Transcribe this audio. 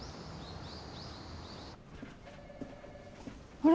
あれ？